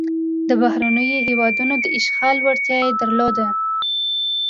د بهرنیو هېوادونو د اشغال وړتیا یې لرله.